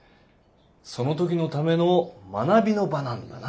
その時のための学びの場なんだな